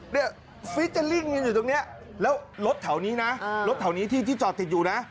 เนี่ยเฟีชจะลิ่งอยู่ตรงเนี้ยแล้วรถเเถานะรถเเถาเนี้ยที่จอดติดอยู่นะ